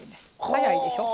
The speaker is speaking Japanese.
早いでしょ？